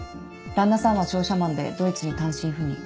旦那さんは商社マンでドイツに単身赴任。